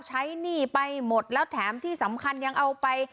หนี้ไปหมดแล้วแถมที่สำคัญยังเอาไป